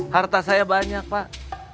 harta saya banyak pak